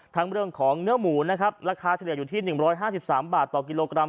ทั้งเรื่องของเนื้อหมูนะครับราคาเฉลี่ยอยู่ที่หนึ่งร้อยห้าสิบสามบาทต่อกิโลกรัม